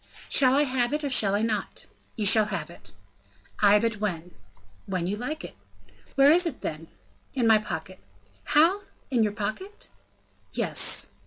"Shall I have it, or shall I not?" "You shall have it." "Ay, but when?" "When you like." "Where is it, then?" "In my pocket." "How in your pocket?" "Yes."